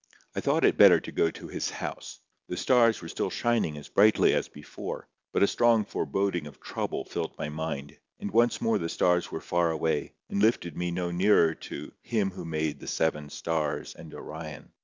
I thought it better to go to his house. The stars were still shining as brightly as before, but a strong foreboding of trouble filled my mind, and once more the stars were far away, and lifted me no nearer to "Him who made the seven stars and Orion."